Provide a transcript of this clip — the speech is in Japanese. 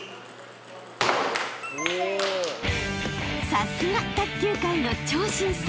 ［さすが卓球界の超新星。